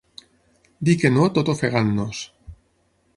Dir que no tot ofegant-nos.